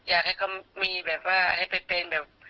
อยากให้เขามีแบบว่าให้ไปเป็นแบบ